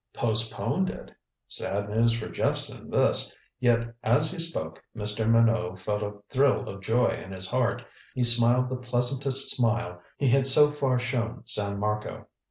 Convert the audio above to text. "Postponed it?" Sad news for Jephson this, yet as he spoke Mr. Minot felt a thrill of joy in his heart. He smiled the pleasantest smile he had so far shown San Marco.